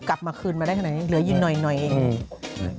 กลับมาคืนมาได้ขนาดนี้เหลือยินหน่อยหน่อยเองอืม